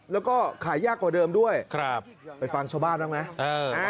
แล้วก็ขายยากกว่าเดิมด้วยครับไปฟังชาวบ้านบ้างไหม